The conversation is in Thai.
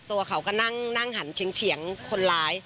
ตัวเขาก็นั่งหันเฉียงคนร้าย